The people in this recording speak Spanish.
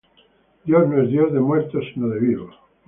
Dios no es Dios de muertos, sino de vivos.